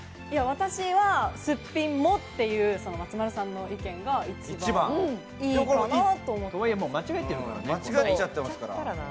私は「すっぴんも」っていう松丸さんの意見が一番いいかなと思います。